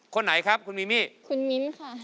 คนไหนครับคุณมีมี่คุณมิ้นค่ะ